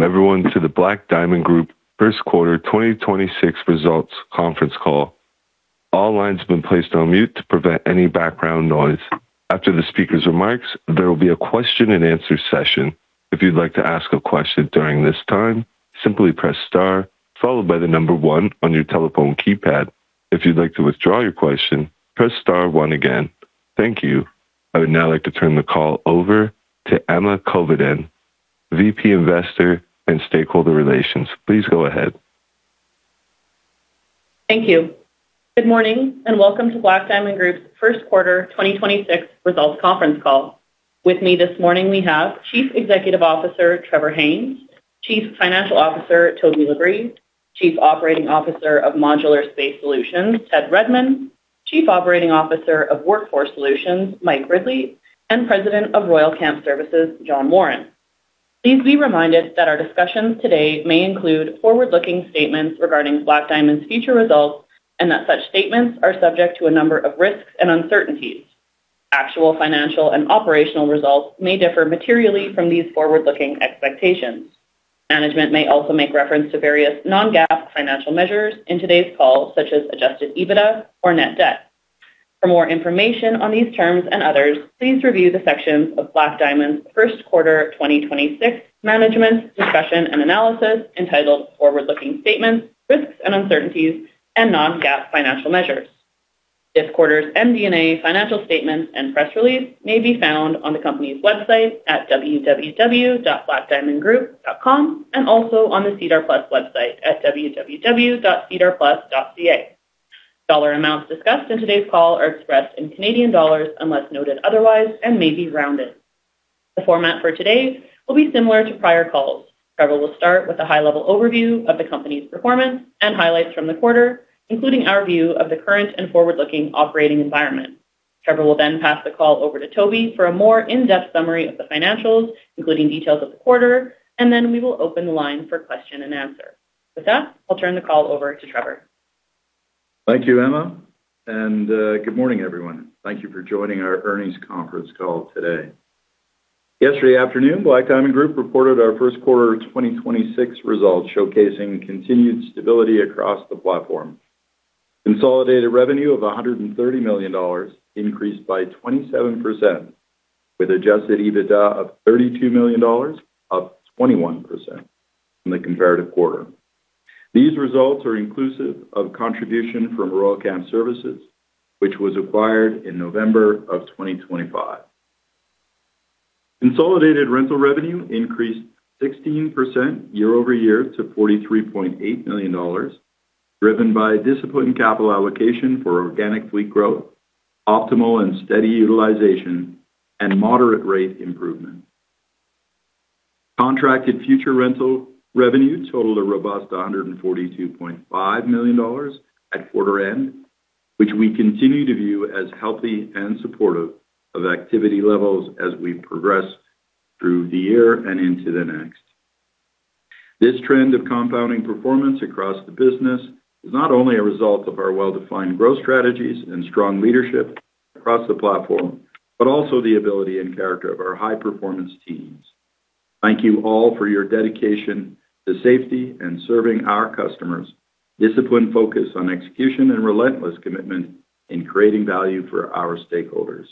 Welcome everyone to the Black Diamond Group first quarter 2026 results conference call. All lines have been placed on mute to prevent any background noise. After the speaker's remarks, there will be a question and answer session. If you'd like to ask a question during this time, simply press star followed by the number 1 on your telephone keypad. If you'd like to withdraw your question, press star one again. Thank you. I would now like to turn the call over to Emma Covenden, VP Investor and Stakeholder Relations. Please go ahead. Thank you. Good morning and welcome to Black Diamond Group's first quarter 2026 results conference call. With me this morning we have Chief Executive Officer, Trevor Haynes, Chief Financial Officer, Toby LaBrie, Chief Operating Officer of Modular Space Solutions, Ted Redmond, Chief Operating Officer of Workforce Solutions, Mike Ridley, and President of Royal Camp Services, Jon Warren. Please be reminded that our discussions today may include forward-looking statements regarding Black Diamond's future results and that such statements are subject to a number of risks and uncertainties. Actual financial and operational results may differ materially from these forward-looking expectations. Management may also make reference to various non-GAAP financial measures in today's call, such as Adjusted EBITDA or Net Debt. For more information on these terms and others, please review the sections of Black Diamond's first quarter 2026 Management's Discussion and Analysis entitled Forward-Looking Statements, Risks and Uncertainties, and Non-GAAP Financial Measures. This quarter's MD&A financial statements and press release may be found on the company's website at www.blackdiamondgroup.com and also on the SEDAR+ website at www.sedarplus.ca. Dollar amounts discussed in today's call are expressed in Canadian dollars unless noted otherwise and may be rounded. The format for today will be similar to prior calls. Trevor will start with a high-level overview of the company's performance and highlights from the quarter, including our view of the current and forward-looking operating environment. Trevor will then pass the call over to Toby for a more in-depth summary of the financials, including details of the quarter, and then we will open the line for question and answer. With that, I'll turn the call over to Trevor. Thank you, Emma Covenden, good morning, everyone. Thank you for joining our earnings conference call today. Yesterday afternoon, Black Diamond Group reported our first quarter 2026 results, showcasing continued stability across the platform. Consolidated revenue of 130 million dollars increased by 27% with Adjusted EBITDA of 32 million dollars, up 21% from the comparative quarter. These results are inclusive of contribution from Royal Camp Services, which was acquired in November of 2025. Consolidated rental revenue increased 16% year-over-year to 43.8 million dollars, driven by disciplined capital allocation for organic fleet growth, optimal and steady utilization, and moderate rate improvement. Contracted future rental revenue totaled a robust 142.5 million dollars at quarter end, which we continue to view as healthy and supportive of activity levels as we progress through the year and into the next. This trend of compounding performance across the business is not only a result of our well-defined growth strategies and strong leadership across the platform, but also the ability and character of our high-performance teams. Thank you all for your dedication to safety and serving our customers, disciplined focus on execution, and relentless commitment in creating value for our stakeholders.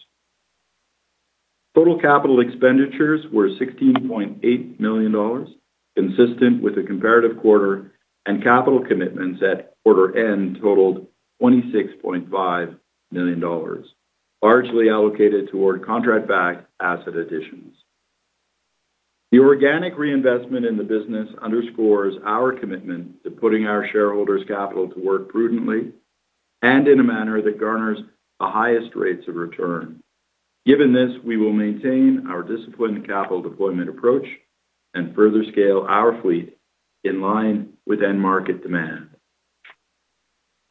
Total capital expenditures were 16.8 million dollars, consistent with the comparative quarter, and capital commitments at quarter end totaled 26.5 million dollars, largely allocated toward contract-backed asset additions. The organic reinvestment in the business underscores our commitment to putting our shareholders' capital to work prudently and in a manner that garners the highest rates of return. Given this, we will maintain our disciplined capital deployment approach and further scale our fleet in line with end market demand.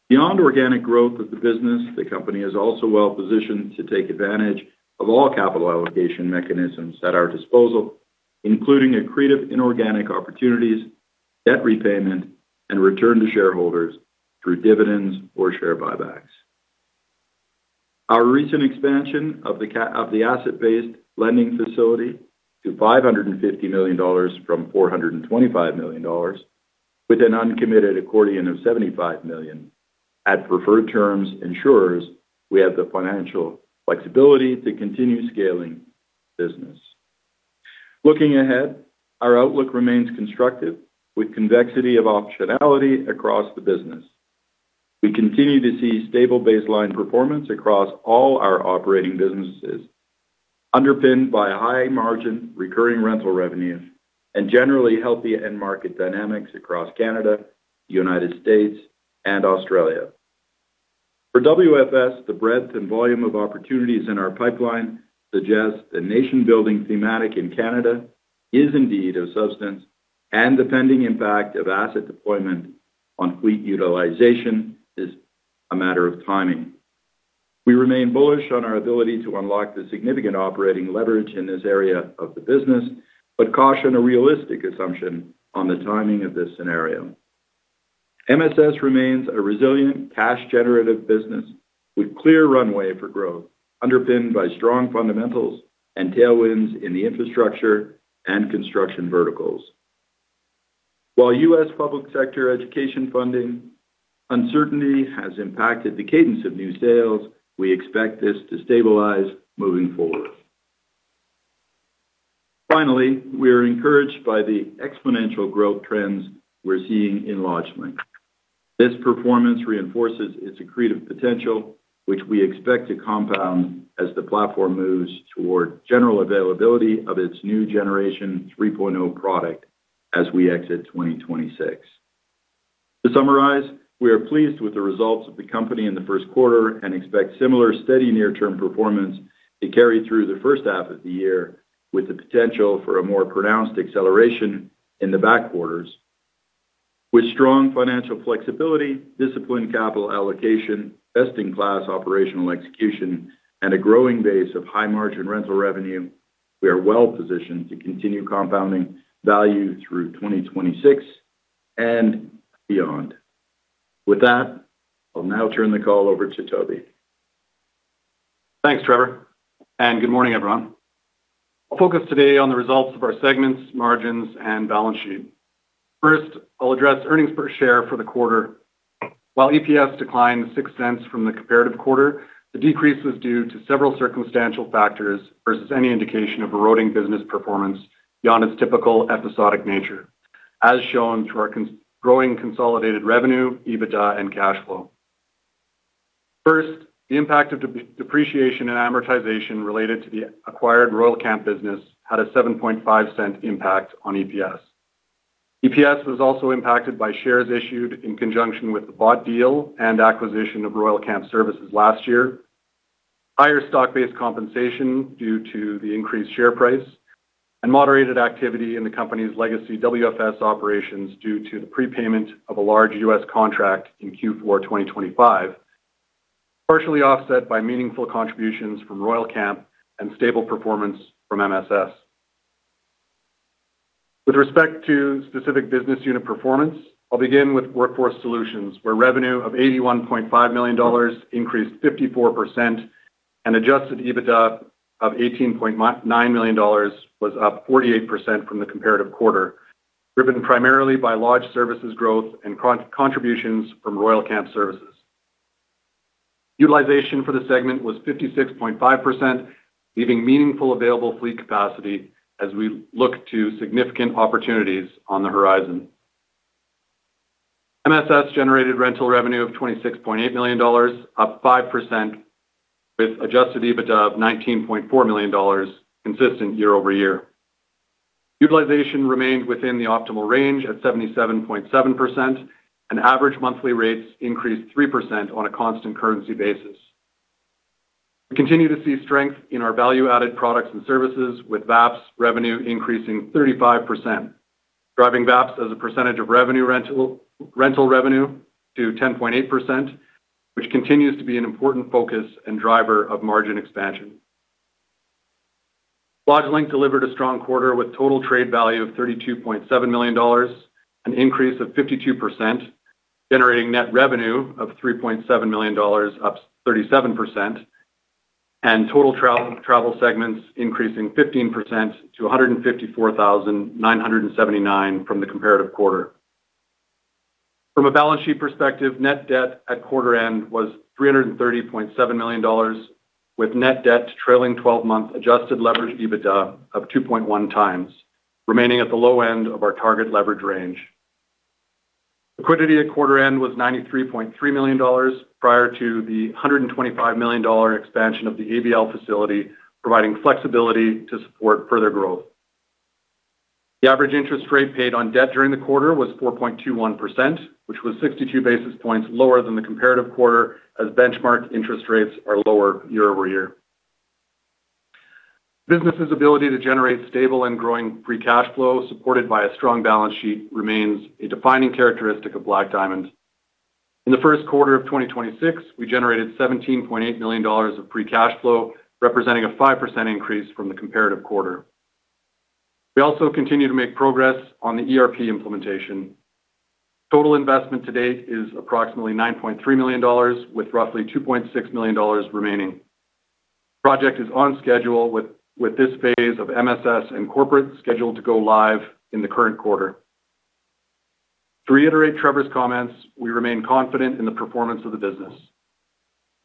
Beyond organic growth of the business, the company is also well-positioned to take advantage of all capital allocation mechanisms at our disposal, including accretive inorganic opportunities, debt repayment, and return to shareholders through dividends or share buybacks. Our recent expansion of the asset-based lending facility to 550 million dollars from 425 million dollars with an uncommitted accordion of 75 million at preferred terms ensures we have the financial flexibility to continue scaling business. Looking ahead, our outlook remains constructive with convexity of optionality across the business. We continue to see stable baseline performance across all our operating businesses, underpinned by high margin recurring rental revenues and generally healthy end market dynamics across Canada, United States, and Australia. For WFS, the breadth and volume of opportunities in our pipeline suggests the nation-building thematic in Canada is indeed of substance and the pending impact of asset deployment on fleet utilization is a matter of timing. We remain bullish on our ability to unlock the significant operating leverage in this area of the business, but caution a realistic assumption on the timing of this scenario. MSS remains a resilient cash generative business with clear runway for growth, underpinned by strong fundamentals and tailwinds in the infrastructure and construction verticals. While U.S. public sector education funding uncertainty has impacted the cadence of new sales, we expect this to stabilize moving forward. Finally, we are encouraged by the exponential growth trends we're seeing in LodgeLink. This performance reinforces its accretive potential, which we expect to compound as the platform moves toward general availability of its new generation 3.0 product as we exit 2026. To summarize, we are pleased with the results of the company in the first quarter and expect similar steady near-term performance to carry through the first half of the year with the potential for a more pronounced acceleration in the back quarters. With strong financial flexibility, disciplined capital allocation, best-in-class operational execution, and a growing base of high-margin rental revenue, we are well-positioned to continue compounding value through 2026 and beyond. With that, I'll now turn the call over to Toby. Thanks, Trevor. Good morning, everyone. I'll focus today on the results of our segments, margins, and balance sheet. First, I'll address earnings per share for the quarter. While EPS declined 0.06 from the comparative quarter, the decrease was due to several circumstantial factors versus any indication of eroding business performance beyond its typical episodic nature, as shown through our growing consolidated revenue, EBITDA, and cash flow. First, the impact of depreciation and amortization related to the acquired Royal Camp business had a 0.075 impact on EPS. EPS was also impacted by shares issued in conjunction with the Bot deal and acquisition of Royal Camp Services last year. Higher stock-based compensation due to the increased share price and moderated activity in the company's legacy WFS operations due to the prepayment of a large U.S. contract in Q4 2025, partially offset by meaningful contributions from Royal Camp and stable performance from MSS. With respect to specific business unit performance, I'll begin with Workforce Solutions, where revenue of 81.5 million dollars increased 54% and Adjusted EBITDA of 18.9 million dollars was up 48% from the comparative quarter, driven primarily by large services growth and contributions from Royal Camp Services. Utilization for the segment was 56.5%, leaving meaningful available fleet capacity as we look to significant opportunities on the horizon. MSS generated rental revenue of 26.8 million dollars, up 5%, with Adjusted EBITDA of 19.4 million dollars consistent year-over-year. Utilization remained within the optimal range at 77.7%. Average monthly rates increased 3% on a constant currency basis. We continue to see strength in our value-added products and services with VAPS revenue increasing 35%, driving VAPS as a percentage of rental revenue to 10.8%, which continues to be an important focus and driver of margin expansion. LodgeLink delivered a strong quarter with total trade value of 32.7 million dollars, an increase of 52%, generating net revenue of 3.7 million dollars, up 37%. Total travel segments increasing 15% to 154,979 from the comparative quarter. From a balance sheet perspective, Net Debt at quarter end was 330.7 million dollars, with Net Debt trailing twelve-month Adjusted Leverage EBITDA of 2.1x, remaining at the low end of our target leverage range. Liquidity at quarter end was 93.3 million dollars prior to the 125 million dollar expansion of the ABL facility, providing flexibility to support further growth. The average interest rate paid on debt during the quarter was 4.21%, which was 62 basis points lower than the comparative quarter as benchmark interest rates are lower year-over-year. Business's ability to generate stable and growing free cash flow supported by a strong balance sheet remains a defining characteristic of Black Diamond. In the first quarter of 2026, we generated 17.8 million dollars of free cash flow, representing a 5% increase from the comparative quarter. We also continue to make progress on the ERP implementation. Total investment to date is approximately 9.3 million dollars, with roughly 2.6 million dollars remaining. Project is on schedule with this phase of MSS and corporate scheduled to go live in the current quarter. To reiterate Trevor's comments, we remain confident in the performance of the business.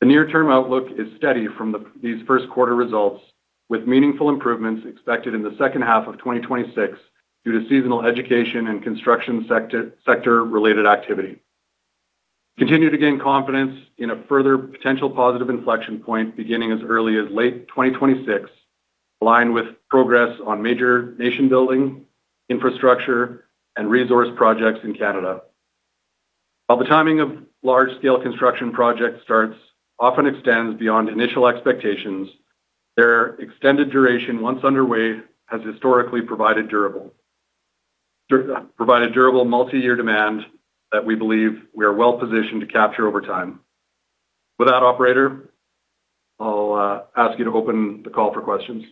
The near-term outlook is steady from these first quarter results, with meaningful improvements expected in the second half of 2026 due to seasonal education and construction sector-related activity. Continue to gain confidence in a further potential positive inflection point beginning as early as late 2026, aligned with progress on major nation-building, infrastructure, and resource projects in Canada. While the timing of large-scale construction project starts often extends beyond initial expectations, their extended duration once underway has historically provided durable multiyear demand that we believe we are well-positioned to capture over time. With that, operator, I'll ask you to open the call for questions.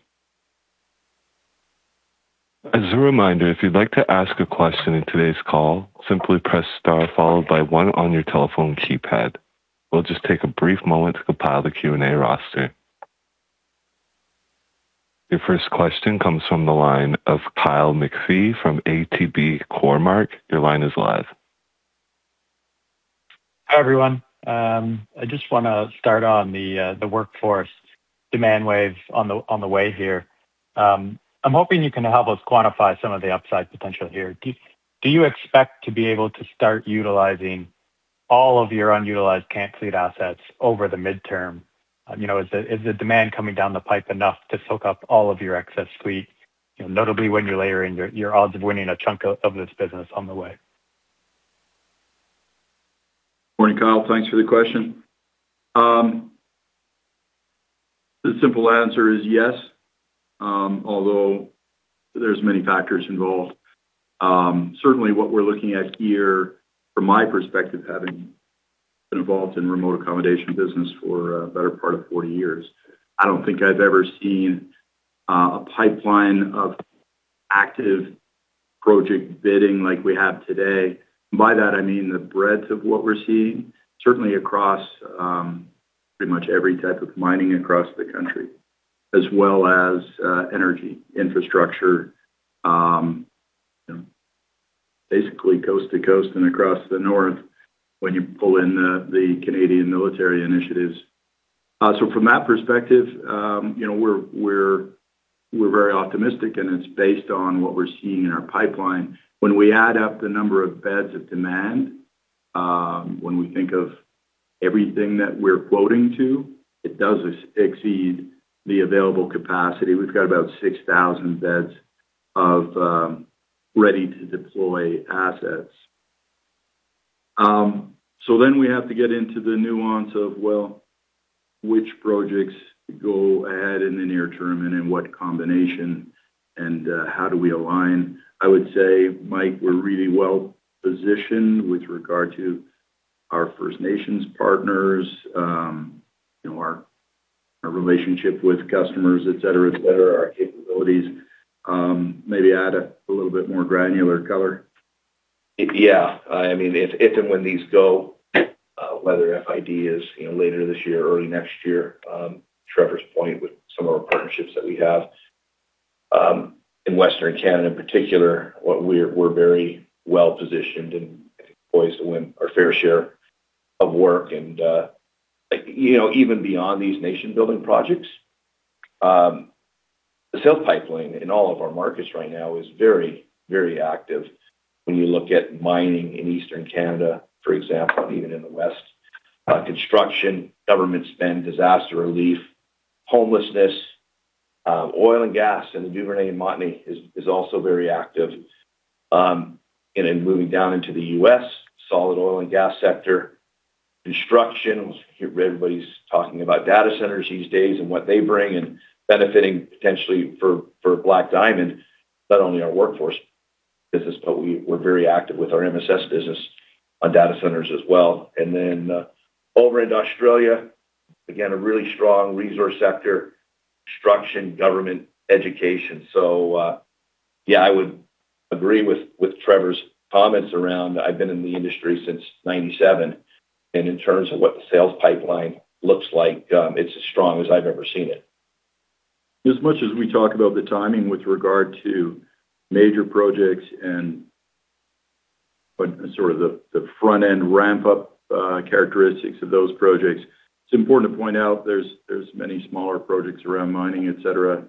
As a reminder, if you'd like to ask a question in today's call, simply press star followed by one on your telephone keypad. We'll just take a brief moment to compile the Q&A roster. Your first question comes from the line of Kyle McPhee from ATB Cormark. Your line is live. Hi, everyone. I just wanna start on the workforce demand wave on the way here. I'm hoping you can help us quantify some of the upside potential here. Do you expect to be able to start utilizing all of your unutilized camp fleet assets over the midterm? You know, is the demand coming down the pipe enough to soak up all of your excess fleet? You know, notably when you're layering your odds of winning a chunk of this business on the way. Morning, Kyle. Thanks for the question. The simple answer is yes, although there's many factors involved. Certainly what we're looking at here from my perspective, having been involved in remote accommodation business for a better part of 40 years, I don't think I've ever seen a pipeline of active project bidding like we have today. By that, I mean the breadth of what we're seeing, certainly across pretty much every type of mining across the country as well as energy infrastructure, basically coast to coast and across the north when you pull in the Canadian military initiatives. From that perspective, you know, we're very optimistic, and it's based on what we're seeing in our pipeline. When we add up the number of beds of demand, when we think of everything that we're quoting to, it does exceed the available capacity. We've got about 6,000 beds of ready-to-deploy assets. We have to get into the nuance of, well, which projects go ahead in the near term and in what combination and how do we align? I would say, Mike, we're really well-positioned with regard to our First Nations partners, you know, our relationship with customers, et cetera, et cetera, our capabilities. Maybe add a little bit more granular color. I mean, if and when these go, whether FID is, you know, later this year or early next year, Trevor's point with some of our partnerships that we have in Western Canada in particular, we're very well-positioned and poised to win our fair share of work and, you know, even beyond these nation-building projects, the sales pipeline in all of our markets right now is very, very active. When you look at mining in Eastern Canada, for example, even in the West, construction, government spend, disaster relief, homelessness, oil and gas in the Duvernay and Montney is also very active. In moving down into the U.S., solid oil and gas sector. Construction, everybody's talking about data centers these days and what they bring and benefiting potentially for Black Diamond, not only our workforce business, but we're very active with our MSS business on data centers as well. Over into Australia, again, a really strong resource sector, construction, government, education. Yeah, I would agree with Trevor's comments around I've been in the industry since 97, in terms of what the sales pipeline looks like, it's as strong as I've ever seen it. As much as we talk about the timing with regard to major projects and sort of the front-end ramp-up, characteristics of those projects, it's important to point out there's many smaller projects around mining, et cetera,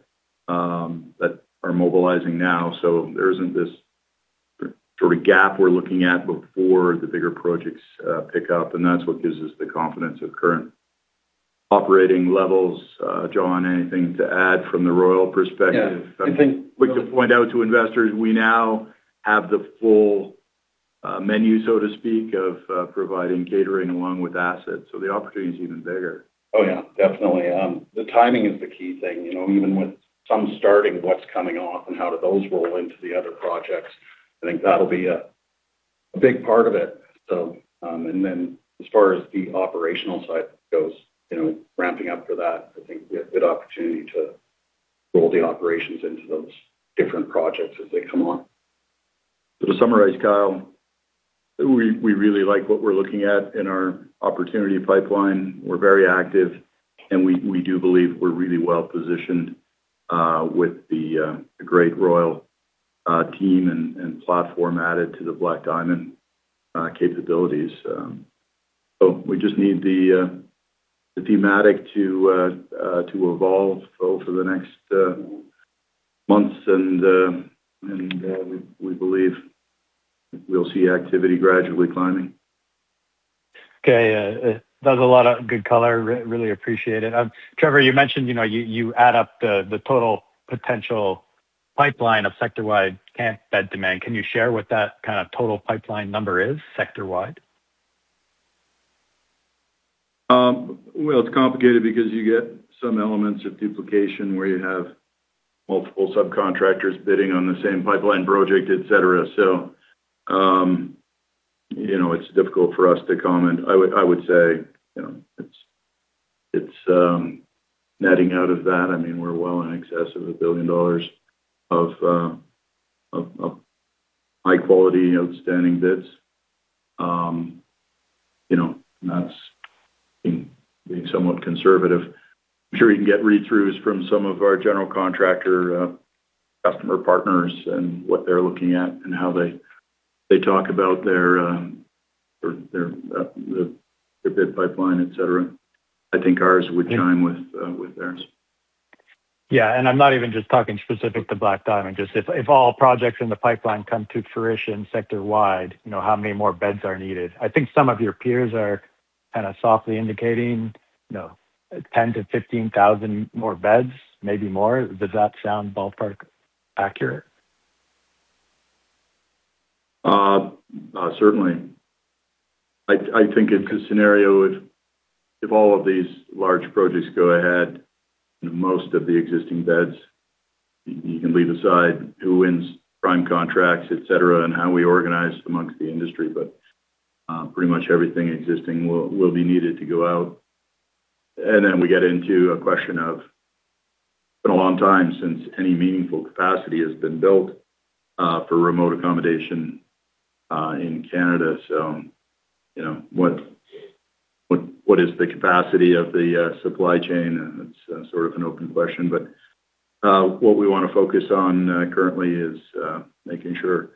that are mobilizing now. There isn't this sort of gap we're looking at before the bigger projects, pick up, and that's what gives us the confidence of current operating levels. Jon, anything to add from the Royal perspective? Yeah. Quick to point out to investors, we now have the full menu, so to speak, of providing catering along with assets. The opportunity is even bigger. Oh, yeah, definitely. The timing is the key thing. You know, even with some starting, what's coming off and how do those roll into the other projects, I think that'll be a big part of it. As far as the operational side goes, you know, ramping up for that, I think we have good opportunity to roll the operations into those different projects as they come on. To summarize, Kyle, we really like what we're looking at in our opportunity pipeline. We're very active, and we do believe we're really well-positioned with the great Royal team and platform added to the Black Diamond capabilities. We just need the thematic to evolve over the next months and we believe we'll see activity gradually climbing. Okay. That's a lot of good color. Really appreciate it. Trevor, you mentioned, you know, you add up the total potential pipeline of sector-wide camp bed demand. Can you share what that kind of total pipeline number is sector-wide? Well, it's complicated because you get some elements of duplication where you have multiple subcontractors bidding on the same pipeline project, et cetera. You know, it's difficult for us to comment. I would say, you know, netting out of that, I mean, we're well in excess of 1 billion dollars of high quality outstanding bids. You know, that's being somewhat conservative. I'm sure you can get read-throughs from some of our general contractor customer partners and what they're looking at and how they talk about their or their the bid pipeline, et cetera. I think ours would chime with theirs. Yeah. I'm not even just talking specific to Black Diamond. Just if all projects in the pipeline come to fruition sector-wide, you know, how many more beds are needed? I think some of your peers are kind of softly indicating, you know, 10,000-15,000 more beds, maybe more. Does that sound ballpark accurate? Certainly. I think in the scenario if all of these large projects go ahead, most of the existing beds, you can leave aside who wins prime contracts, et cetera, and how we organize amongst the industry. Pretty much everything existing will be needed to go out. Then we get into a question of, it's been a long time since any meaningful capacity has been built for remote accommodation in Canada. You know, what is the capacity of the supply chain? It's sort of an open question. What we wanna focus on currently is making sure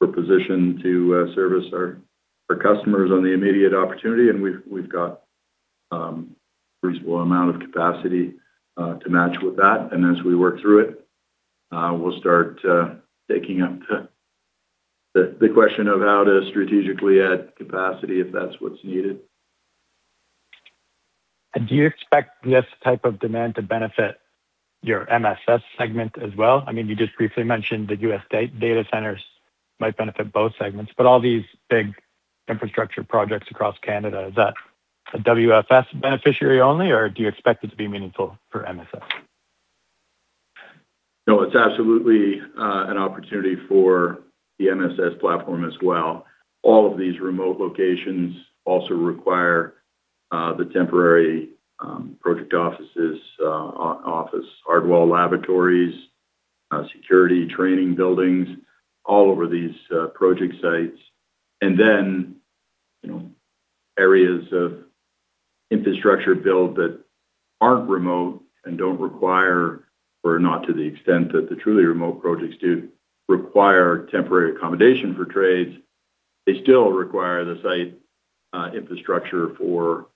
we're positioned to service our customers on the immediate opportunity. We've got reasonable amount of capacity to match with that. As we work through it, we'll start taking up the question of how to strategically add capacity if that's what's needed. Do you expect this type of demand to benefit your MSS segment as well? I mean, you just briefly mentioned the U.S. data centers might benefit both segments. All these big infrastructure projects across Canada, is that a WFS beneficiary only, or do you expect it to be meaningful for MSS? No, it's absolutely an opportunity for the MSS platform as well. All of these remote locations also require the temporary project offices, office, hard wall laboratories, security training buildings all over these project sites. You know, areas of infrastructure build that aren't remote and don't require or not to the extent that the truly remote projects do require temporary accommodation for trades. They still require the site infrastructure for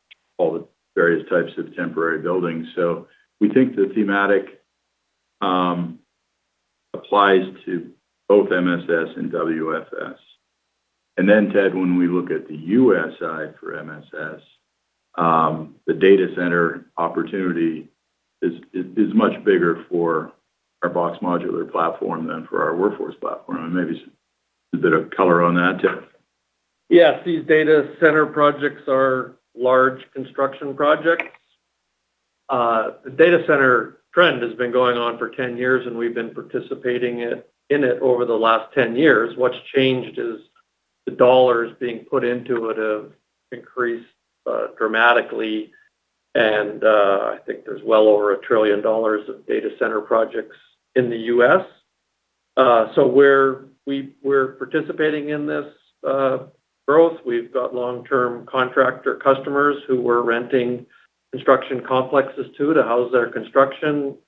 all the various types of temporary buildings. We think the thematic applies to both MSS and WFS. Ted, when we look at the U.S. side for MSS, the data center opportunity is much bigger for our box modular platform than for our workforce platform. Maybe a bit of color on that, Ted. Yes. These data center projects are large construction projects. The data center trend has been going on for 10 years, and we've been participating in it over the last 10 years. What's changed is the dollars being put into it have increased dramatically. I think there's well over 1 trillion dollars of data center projects in the U.S. We're participating in this growth. We've got long-term contractor customers who we're renting construction complexes to house their construction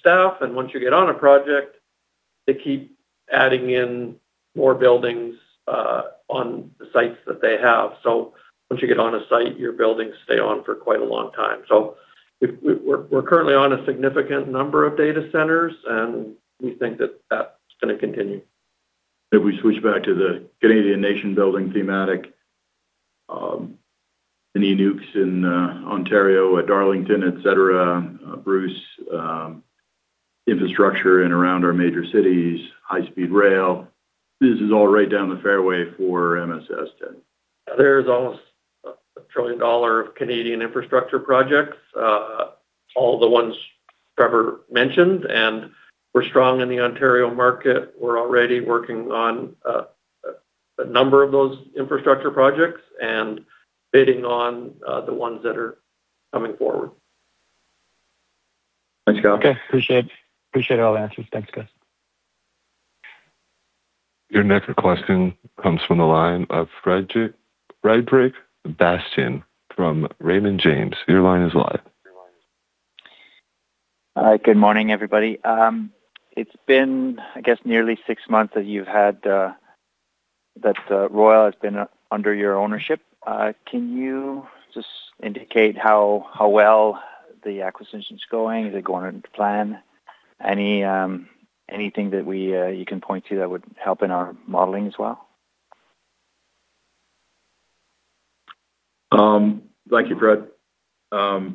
staff. Once you get on a project, they keep adding in more buildings on the sites that they have. Once you get on a site, your buildings stay on for quite a long time. We're currently on a significant number of data centers, and we think that that's gonna continue. If we switch back to the Canadian nation-building thematic, any nukes in Ontario at Darlington, et cetera, Bruce, infrastructure and around our major cities, high speed rail, this is all right down the fairway for MSS, Ted. There's almost a trillion CAD of Canadian infrastructure projects. All the ones Trevor mentioned, and we're strong in the Ontario market. We're already working on a number of those infrastructure projects and bidding on the ones that are coming forward. Thanks, guys. Okay. Appreciate all the answers. Thanks, guys. Your next question comes from the line of Frederic Bastien from Raymond James. Your line is live. Good morning, everybody. It's been, I guess, nearly 6 months that you've had, that Royal Camp Services has been under your ownership. Can you just indicate how well the acquisition's going? Is it going on plan? Any, anything that we, you can point to that would help in our modeling as well? Thank you, Fred. The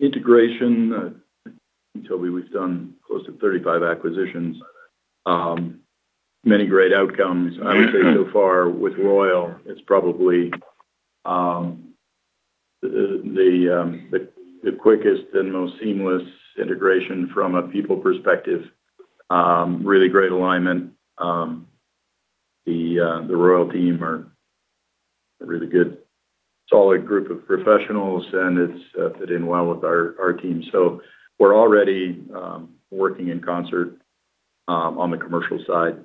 integration, at Toby, we've done close to 35 acquisitions. Many great outcomes. I would say so far with Royal, it's probably the quickest and most seamless integration from a people perspective. Really great alignment. The Royal team are a really good solid group of professionals, and it's fit in well with our team. We're already working in concert on the commercial side.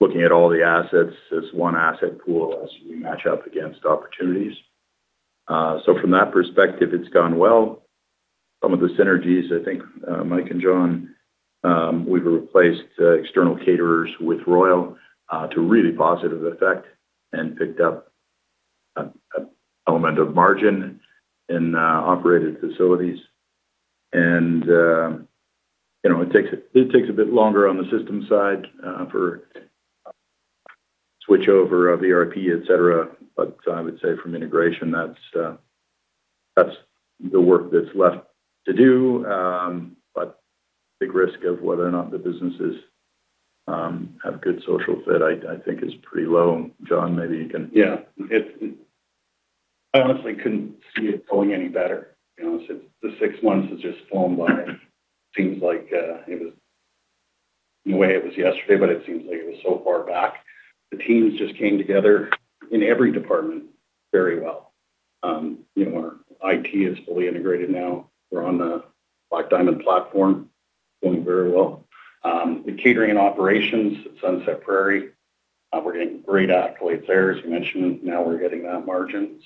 Looking at all the assets as one asset pool as we match up against opportunities. From that perspective, it's gone well. Some of the synergies, I think, Mike and Jon, we've replaced external caterers with Royal to really positive effect and picked up a element of margin in operated facilities. You know, it takes a bit longer on the system side for switch over of ERP, et cetera. I would say from integration, that's the work that's left to do. Big risk of whether or not the businesses have good social fit, I think is pretty low. Jon, maybe you can. Yeah. I honestly couldn't see it going any better. You know, since the six months has just flown by. Seems like, in a way it was yesterday, but it seems like it was so far back. The teams just came together in every department very well. You know, our IT is fully integrated now. We're on the Black Diamond platform, going very well. The catering operations at Sunset Prairie, we're getting great accolades there. As you mentioned, now we're hitting that margin.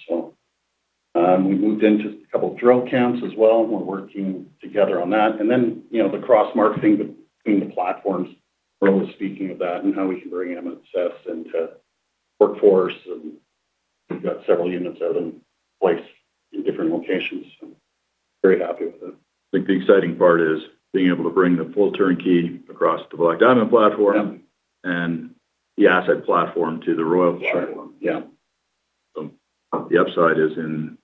We moved into a couple drill camps as well, and we're working together on that. You know, the cross-marketing between the platforms. Royal was speaking of that and how we can bring MSS into Workforce, and we've got several units out in place in different locations. Very happy with it. I think the exciting part is being able to bring the full turnkey across the Black Diamond platform. Yeah The asset platform to the Royal platform. Yeah. Yeah. The upside is in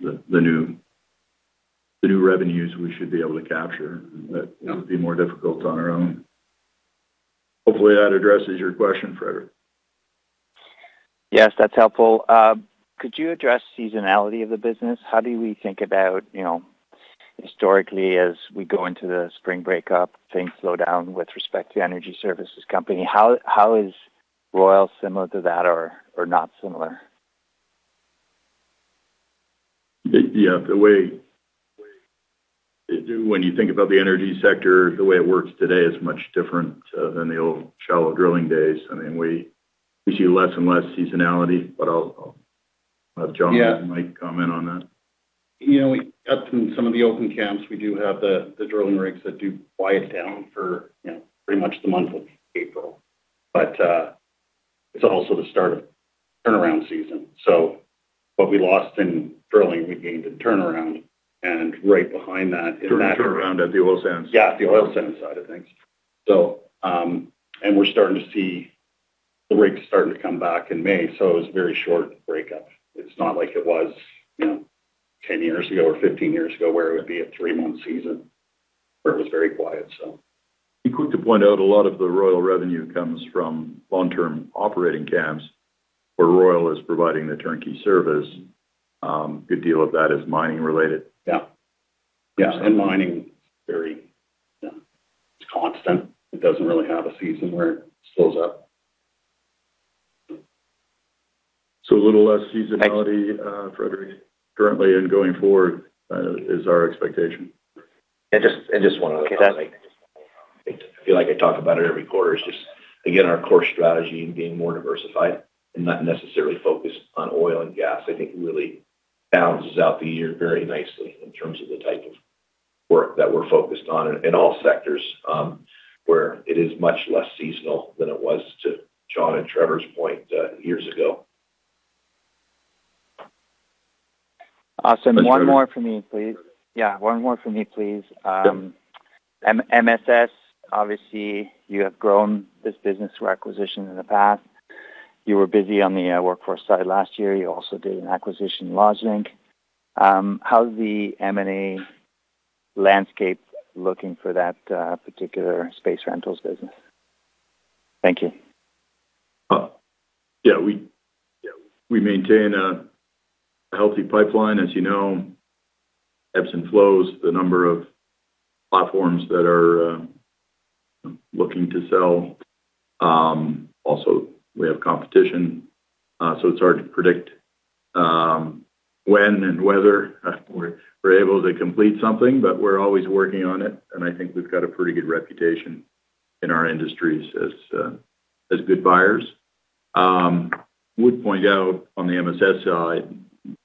the new revenues we should be able to capture. Yeah. That would be more difficult on our own. Hopefully, that addresses your question, Frederic. Yes, that's helpful. Could you address seasonality of the business? How do we think about, you know, historically as we go into the spring breakup, things slow down with respect to energy services company. How is Royal similar to that or not similar? Yeah. When you think about the energy sector, the way it works today is much different than the old shallow drilling days. I mean, we see less and less seasonality, but I'll have Jon- Yeah Mike comment on that. You know, up in some of the open camps, we do have the drilling rigs that do quiet down for, you know, pretty much the month of April. It's also the start of turnaround season. What we lost in drilling, we gained in turnaround. Right behind that. Turnaround at the oil sands. Yeah, the oil sands side of things. We're starting to see the rigs starting to come back in May, so it was a very short breakup. It's not like it was, you know, 10 years ago or 15 years ago, where it would be a three month season where it was very quiet, so. Be quick to point out a lot of the Royal revenue comes from long-term operating camps where Royal is providing the turnkey service. Good deal of that is mining related. Yeah. Yeah. Mining is very, it's constant. It doesn't really have a season where it slows up. A little less seasonality, Frederic, currently and going forward, is our expectation. Just one other thing. I feel like I talk about it every quarter. It's just, again, our core strategy in being more diversified and not necessarily focused on oil and gas, I think really balances out the year very nicely in terms of the type of work that we're focused on in all sectors, where it is much less seasonal than it was to Jon and Trevor's point, years ago. Awesome. One more from me, please. Yeah, one more from me, please. Yeah. MSS, obviously, you have grown this business through acquisition in the past. You were busy on the Workforce side last year. You also did an acquisition in Lodging. How's the M&A landscape looking for that particular space rentals business? Thank you. Oh. Yeah, we maintain a healthy pipeline, as you know. Ebbs and flows, the number of platforms that are looking to sell. Also, we have competition, so it's hard to predict when and whether we're able to complete something, but we're always working on it, and I think we've got a pretty good reputation in our industries as good buyers. Would point out on the MSS side,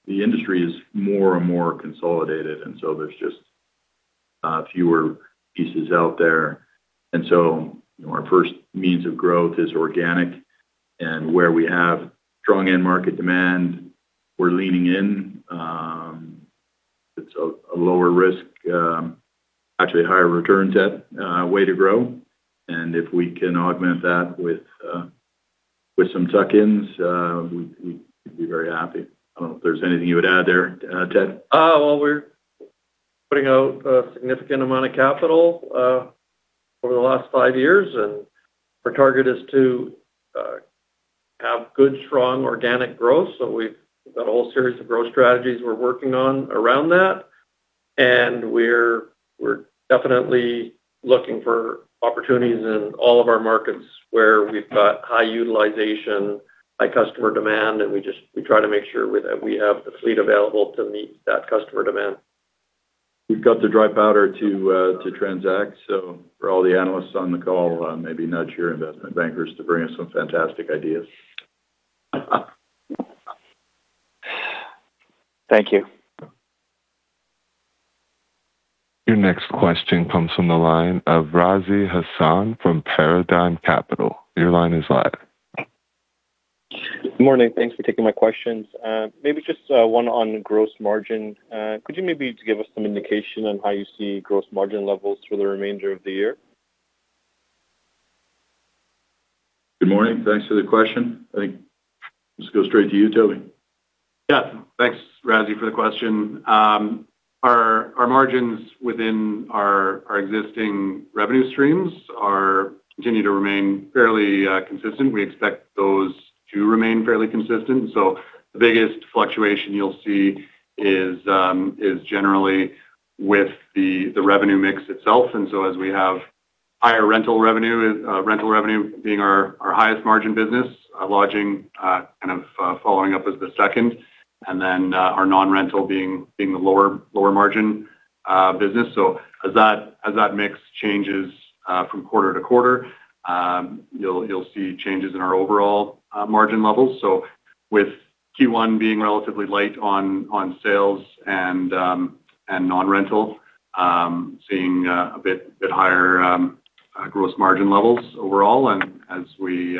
the industry is more and more consolidated, and so there's just fewer pieces out there. So, you know, our first means of growth is organic. Where we have strong end market demand, we're leaning in. It's a lower risk, actually higher return set, way to grow. If we can augment that with some tuck-ins, we'd be very happy. I don't know if there's anything you would add there, Ted. Well, we're putting out a significant amount of capital, over the last five years, our target is to Good strong organic growth. We've got a whole series of growth strategies we're working on around that. We're definitely looking for opportunities in all of our markets where we've got high utilization, high customer demand, and we try to make sure that we have the fleet available to meet that customer demand. We've got the dry powder to transact. For all the analysts on the call, maybe nudge your investment bankers to bring us some fantastic ideas. Thank you. Your next question comes from the line of Razi Hasan from Paradigm Capital. Your line is live. Good morning. Thanks for taking my questions. Maybe just one on gross margin. Could you maybe give us some indication on how you see gross margin levels for the remainder of the year? Good morning. Thanks for the question. I think let's go straight to you, Toby. Yeah. Thanks, Razi, for the question. Our margins within our existing revenue streams are continue to remain fairly consistent. We expect those to remain fairly consistent. The biggest fluctuation you'll see is generally with the revenue mix itself. As we have higher rental revenue, rental revenue being our highest margin business, lodging, kind of, following up as the second, and then our non-rental being the lower margin business. As that mix changes from quarter to quarter, you'll see changes in our overall margin levels. With Q1 being relatively light on sales and non-rental, seeing a bit higher gross margin levels overall. As we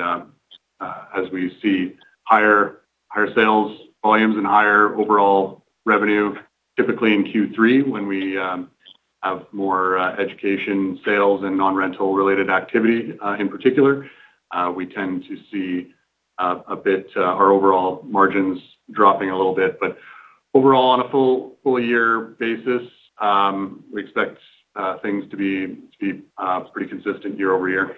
see higher sales volumes and higher overall revenue, typically in Q3 when we have more education sales and non-rental related activity, in particular, we tend to see a bit our overall margins dropping a little bit. Overall, on a full year basis, we expect things to be pretty consistent year-over-year.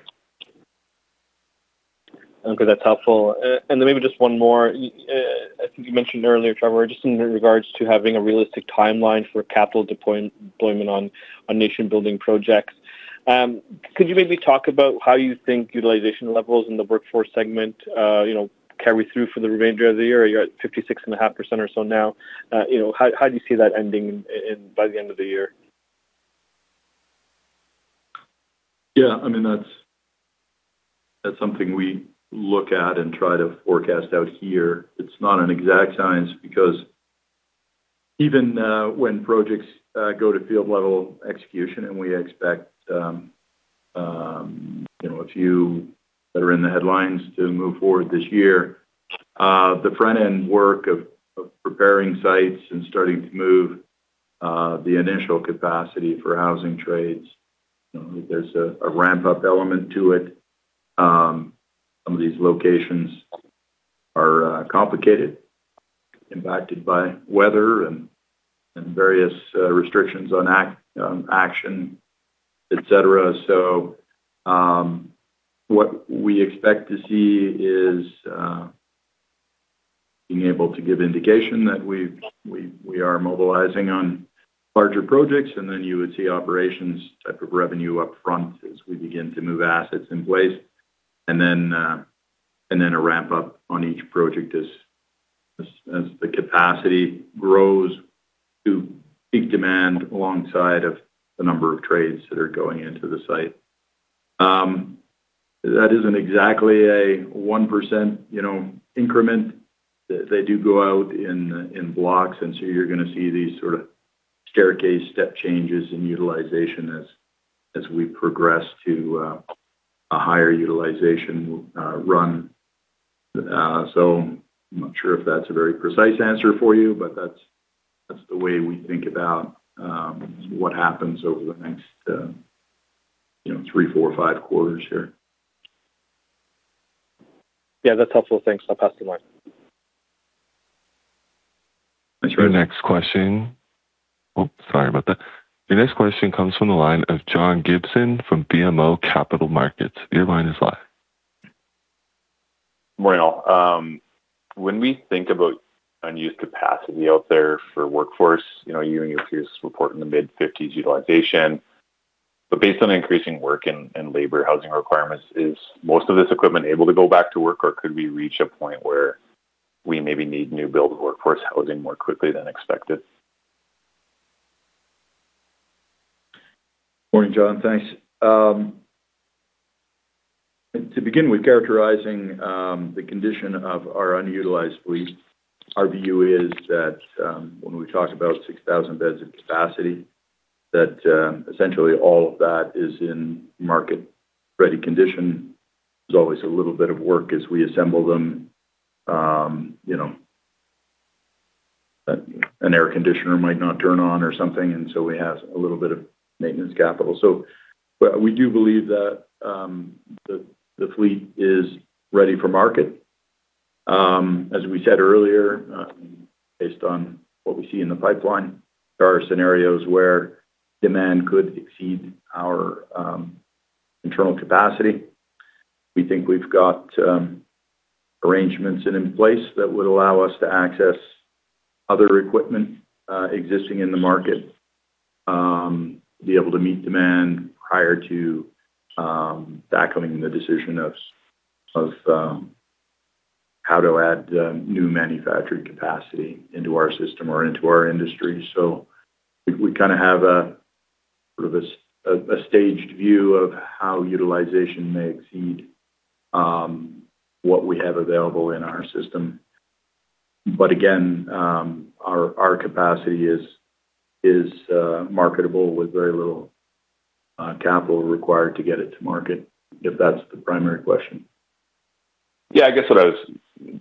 Okay. That's helpful. Then maybe just one more. I think you mentioned earlier, Trevor, just in regards to having a realistic timeline for capital deployment on nation-building projects. Could you maybe talk about how you think utilization levels in the workforce segment, you know, carry through for the remainder of the year? You're at 56.5% or so now. You know, how do you see that ending by the end of the year? Yeah, I mean, that's something we look at and try to forecast out here. It's not an exact science because even when projects go to field level execution and we expect, you know, a few that are in the headlines to move forward this year, the front-end work of preparing sites and starting to move the initial capacity for housing trades, you know, there's a ramp-up element to it. Some of these locations are complicated, impacted by weather and various restrictions on action, et cetera. What we expect to see is being able to give indication that we are mobilizing on larger projects, and then you would see operations type of revenue upfront as we begin to move assets in place. A ramp-up on each project as the capacity grows to peak demand alongside of the number of trades that are going into the site. That isn't exactly a 1%, you know, increment. They do go out in blocks, and so you're gonna see these sort of staircase step changes in utilization as we progress to a higher utilization run. I'm not sure if that's a very precise answer for you, but that's the way we think about what happens over the next, you know, 3, 4, 5 quarters here. Yeah, that's helpful. Thanks. I'll pass the line. Thanks. Your next question. Oh, sorry about that. Your next question comes from the line of John Gibson from BMO Capital Markets. Your line is live. Morning, all. When we think about unused capacity out there for workforce, you know, you and your peers report in the mid-fifties utilization. Based on increasing work and labor housing requirements, is most of this equipment able to go back to work, or could we reach a point where we maybe need new build workforce housing more quickly than expected? Morning, John. Thanks. To begin with characterizing the condition of our unutilized fleet, our view is that when we talk about 6,000 beds of capacity, that essentially all of that is in market-ready condition. There's always a little bit of work as we assemble them. You know, an air conditioner might not turn on or something, and so we have a little bit of maintenance capital. But we do believe that the fleet is ready for market. As we said earlier, based on what we see in the pipeline, there are scenarios where demand could exceed our internal capacity. We think we've got arrangements in place that would allow us to access other equipment existing in the market to be able to meet demand prior to that coming the decision of how to add new manufacturing capacity into our system or into our industry. We, we kinda have a sort of a staged view of how utilization may exceed what we have available in our system. Again, our capacity is marketable with very little capital required to get it to market, if that's the primary question. Yeah, I guess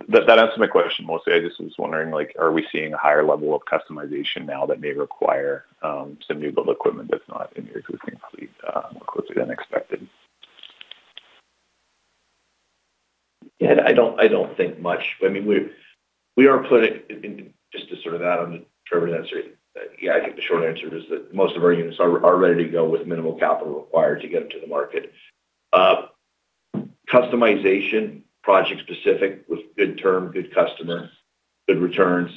that answers my question mostly. I just was wondering, like, are we seeing a higher level of customization now that may require some new build equipment that's not in your existing fleet, more closely than expected? Yeah, I don't, I don't think much. I mean, we are putting in, just to sort of add on to Trevor's answer. Yeah, I think the short answer is that most of our units are ready to go with minimal capital required to get them to the market. Customization, project-specific with good term, good customer, good returns,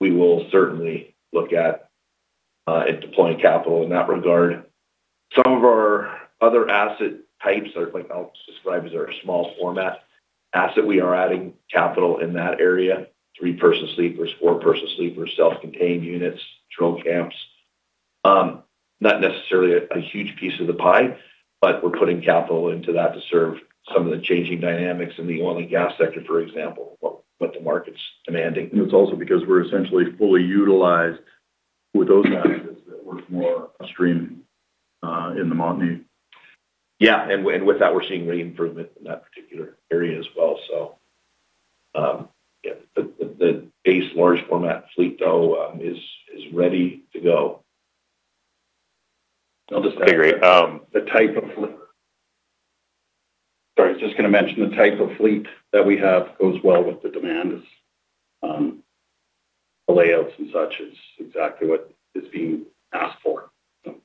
we will certainly look at deploying capital in that regard. Some of our other asset types are like I'll describe as our small format asset. We are adding capital in that area. 3-person sleepers, 4-person sleepers, self-contained units, drill camps. Not necessarily a huge piece of the pie, but we're putting capital into that to serve some of the changing dynamics in the oil and gas sector, for example. What the market's demanding. It's also because we're essentially fully utilized with those assets that work more upstream, in the Montney. Yeah. With that, we're seeing rate improvement in that particular area as well. Yeah. The, the base large format fleet though, is ready to go. Great. Sorry, I was just gonna mention the type of fleet that we have goes well with the demand. The layouts and such is exactly what is being asked for.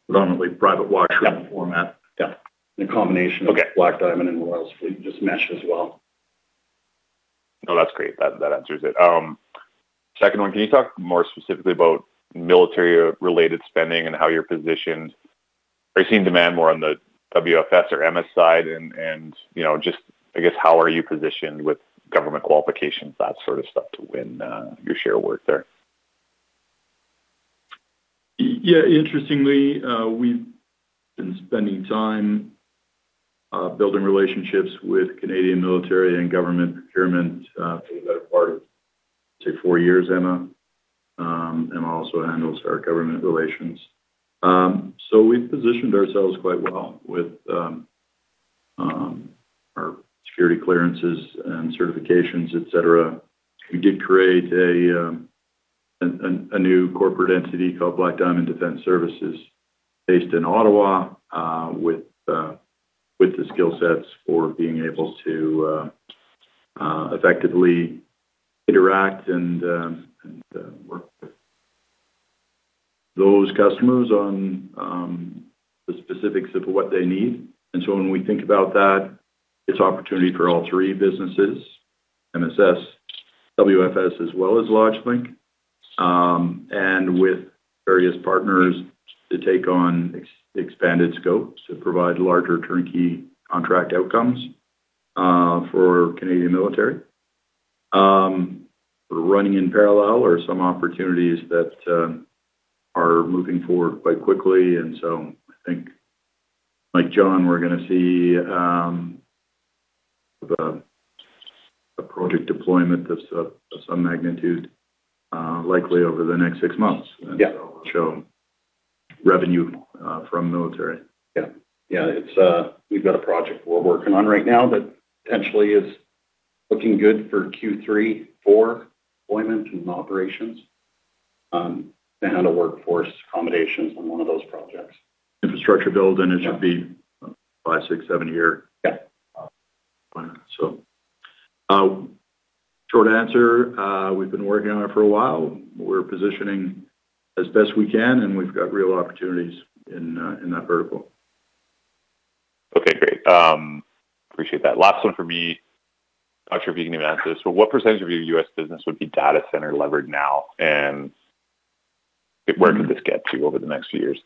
Normally private washroom format. Yeah. The combination of- Okay... Black Diamond and Royals fleet just mesh as well. No, that's great. That answers it. Second one, can you talk more specifically about military-related spending and how you're positioned? Are you seeing demand more on the WFS or MSS side and, you know, just I guess, how are you positioned with government qualifications, that sort of stuff to win your share of work there? Yeah, interestingly, we've been spending time building relationships with Canadian military and government procurement for the better part of say four years. Emma also handles our government relations. We've positioned ourselves quite well with our security clearances and certifications, et cetera. We did create a new corporate entity called Black Diamond Defense Services based in Ottawa with the skill sets for being able to effectively interact and work with those customers on the specifics of what they need. When we think about that, it's opportunity for all three businesses, MSS, WFS, as well as LodgeLink, and with various partners to take on expanded scopes to provide larger turnkey contract outcomes for Canadian military. We're running in parallel or some opportunities that are moving forward quite quickly. I think, like Jon Warren, we're gonna see a project deployment that's of some magnitude, likely over the next six months. Yeah. Show revenue, from military. Yeah. Yeah. It's, we've got a project we're working on right now that potentially is looking good for Q3 for deployment and operations, to handle workforce accommodations on one of those projects. Infrastructure build, it should be five, six, seven year. Yeah. Wow. Short answer, we've been working on it for a while. We're positioning as best we can, and we've got real opportunities in that vertical. Okay, great. Appreciate that. Last one from me. Not sure if you can even answer this, what percent of your U.S. business would be data center levered now, and where could this get to over the next few years?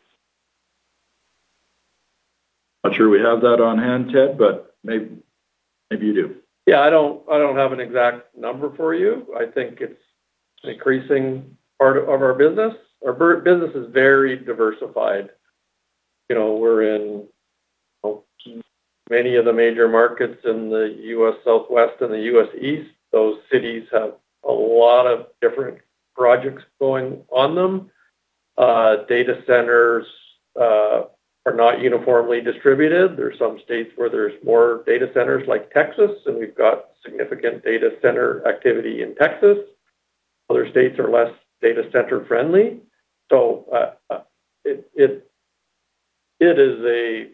Not sure we have that on hand, Ted, but maybe you do. I don't have an exact number for you. I think it's increasing part of our business. Our business is very diversified. You know, we're in many of the major markets in the U.S. Southwest and the U.S. East. Those cities have a lot of different projects going on them. Data centers are not uniformly distributed. There are some states where there's more data centers like Texas, and we've got significant data center activity in Texas. Other states are less data center friendly. It is a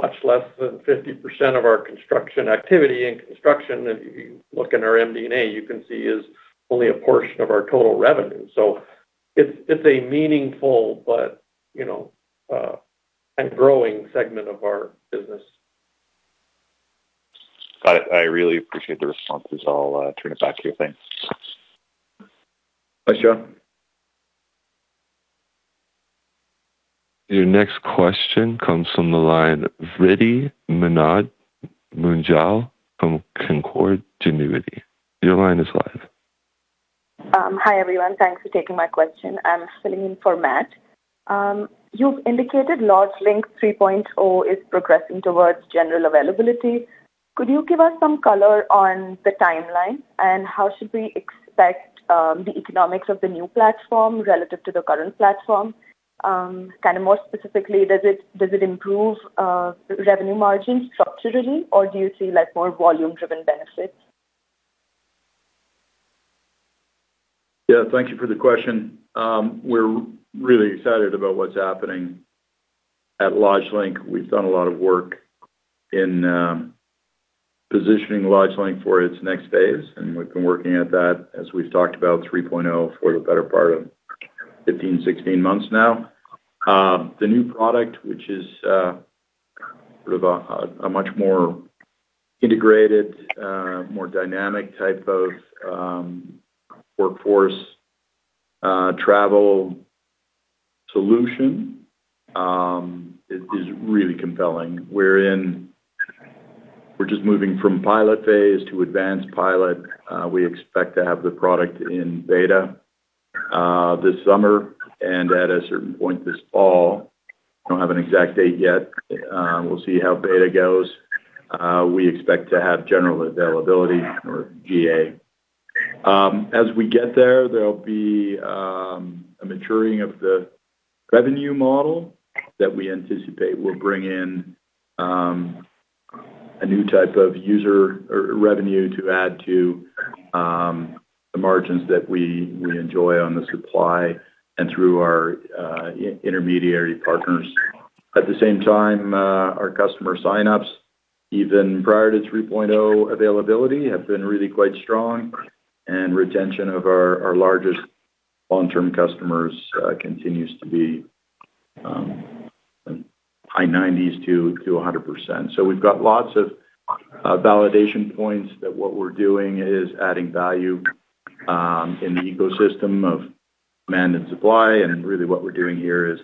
much less than 50% of our construction activity in construction. If you look in our MD&A, you can see is only a portion of our total revenue. It's a meaningful, but, you know, a growing segment of our business. Got it. I really appreciate the responses. I'll turn it back to you. Thanks. Thanks, John. Your next question comes from the line, Vritti Munjal from Canaccord Genuity. Your line is live. Hi, everyone. Thanks for taking my question. I'm filling in for Matt. You've indicated LodgeLink 3.0 is progressing towards general availability. Could you give us some color on the timeline and how should we expect the economics of the new platform relative to the current platform? Kinda more specifically, does it improve the revenue margin structurally, or do you see, like, more volume-driven benefits? Yeah, thank you for the question. We're really excited about what's happening at LodgeLink. We've done a lot of work in positioning LodgeLink for its next phase, and we've been working at that, as we've talked about 3.0 for the better part of 15, 16 months now. The new product, which is sort of a much more integrated, more dynamic type of workforce travel solution, is really compelling. We're just moving from pilot phase to advanced pilot. We expect to have the product in beta this summer and at a certain point this fall. Don't have an exact date yet. We'll see how beta goes. We expect to have general availability or GA. As we get there'll be a maturing of the revenue model that we anticipate will bring in a new type of user or revenue to add to the margins that we enjoy on the supply and through our intermediary partners. At the same time, our customer sign-ups, even prior to 3.0 availability, have been really quite strong, and retention of our largest long-term customers continues to be high 90s to 100%. We've got lots of validation points that what we're doing is adding value in the ecosystem of demand and supply. Really what we're doing here is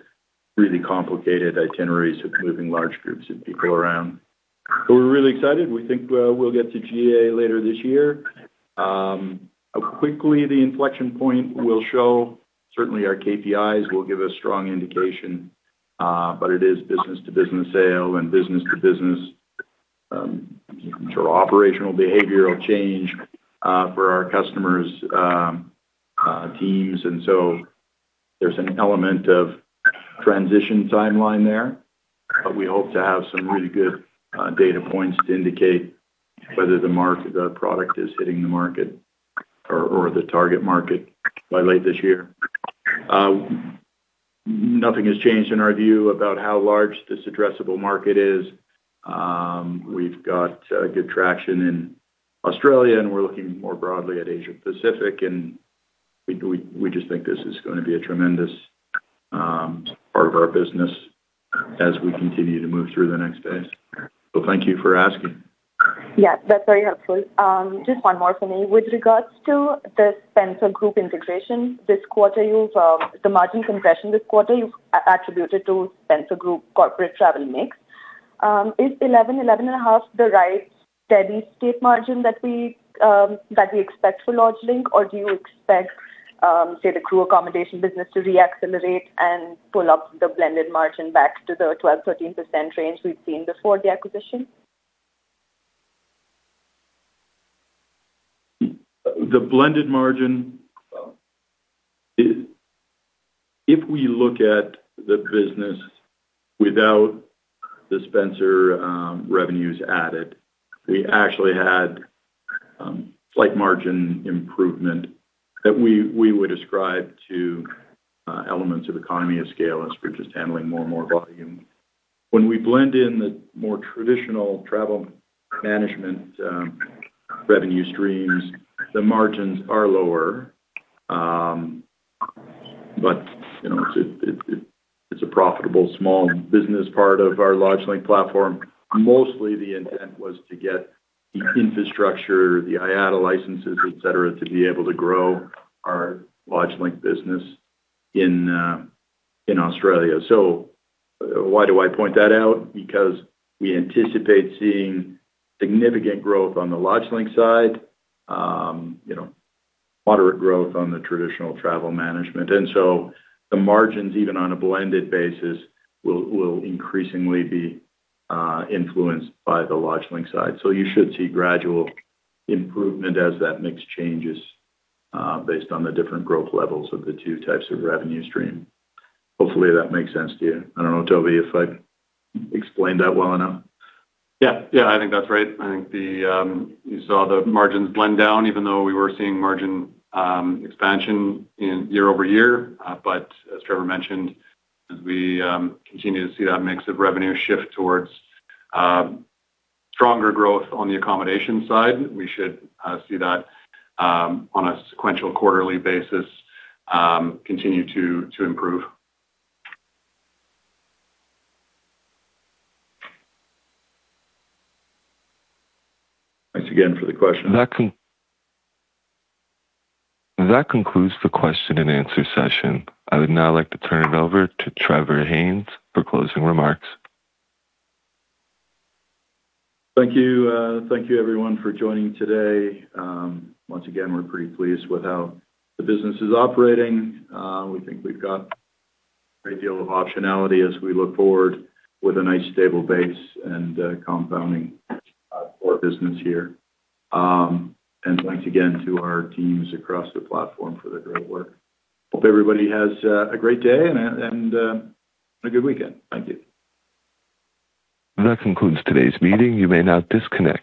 really complicated itineraries of moving large groups of people around. We're really excited. We think we'll get to GA later this year. How quickly the inflection point will show, certainly our KPIs will give a strong indication, but it is business-to-business sale and business-to-business sort of operational behavioral change for our customers' teams. There's an element of transition timeline there, but we hope to have some really good data points to indicate whether the product is hitting the market or the target market by late this year. Nothing has changed in our view about how large this addressable market is. We've got good traction in Australia, and we're looking more broadly at Asia-Pacific, and we just think this is gonna be a tremendous part of our business as we continue to move through the next phase. Thank you for asking. Yeah, that's very helpful. Just one more for me. With regards to the Spencer Group integration, this quarter you've the margin compression this quarter you've attributed to Spencer Group corporate travel mix. Is 11%-11.5% the right steady-state margin that we that we expect for LodgeLink, or do you expect, say, the crew accommodation business to re-accelerate and pull up the blended margin back to the 12%-13% range we've seen before the acquisition? The blended margin is. If we look at the business without the Spencer Group of Companies revenues added, we actually had slight margin improvement that we would ascribe to elements of economy of scale as we're just handling more and more volume. When we blend in the more traditional travel management revenue streams, the margins are lower. You know, it's a profitable small business part of our LodgeLink platform. Mostly the intent was to get the infrastructure, the IATA licenses, et cetera, to be able to grow our LodgeLink business in Australia. Why do I point that out? Because we anticipate seeing significant growth on the LodgeLink side, you know, moderate growth on the traditional travel management. The margins, even on a blended basis, will increasingly be influenced by the LodgeLink side. You should see gradual improvement as that mix changes, based on the different growth levels of the two types of revenue stream. Hopefully, that makes sense to you. I don't know, Toby, if I explained that well enough. Yeah. Yeah, I think that's right. I think the, you saw the margins blend down, even though we were seeing margin expansion in year-over-year. As Trevor mentioned, as we continue to see that mix of revenue shift towards stronger growth on the accommodation side, we should see that on a sequential quarterly basis continue to improve. Thanks again for the question. That concludes the question and answer session. I would now like to turn it over to Trevor Haynes for closing remarks. Thank you. Thank you everyone for joining today. Once again, we're pretty pleased with how the business is operating. We think we've got a great deal of optionality as we look forward with a nice stable base and a compounding core business here. Thanks again to our teams across the platform for their great work. Hope everybody has a great day and a good weekend. Thank you. That concludes today's meeting. You may now disconnect.